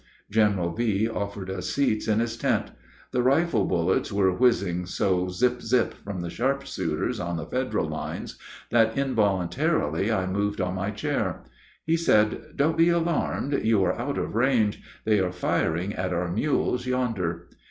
General V. offered us seats in his tent. The rifle bullets were whizzing so zip, zip from the sharpshooters on the Federal lines that involuntarily I moved on my chair. He said, "Don't be alarmed; you are out of range. They are firing at our mules yonder."